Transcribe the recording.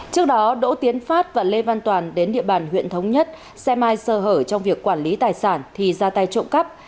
trước đó đỗ tiến phát và lê văn toàn đến địa bàn huyện thống nhất xe mai sơ hở trong việc quản lý tài sản thì ra tay trộm cắp